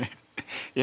いや